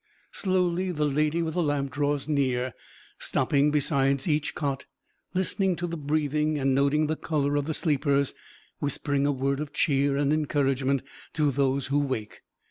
Slowly the Lady with the Lamp draws near, stopping beside each cot, listening to the breathing and noting the color of the sleepers, whispering a word of cheer and encouragement to those who wake.